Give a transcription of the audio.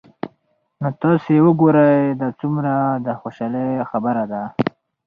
نو تاسي وګورئ دا څومره د خوشحالۍ خبره ده